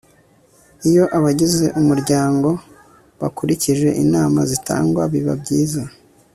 iyo abagize umuryango bakurikije inama zitangwa biba byiza